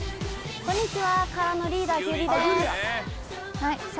こんにちは。